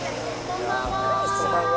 こんばんは。